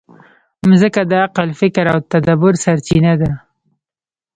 مځکه د عقل، فکر او تدبر سرچینه ده.